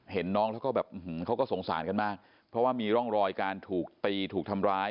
เห็นน้องแล้วก็แบบเขาก็สงสารกันมากเพราะว่ามีร่องรอยการถูกตีถูกทำร้าย